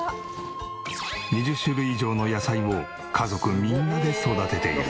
２０種類以上の野菜を家族みんなで育てている。